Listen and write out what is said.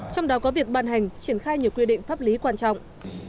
trong đó có việc ban hành triển khai nhiều quy định pháp lý quan trọng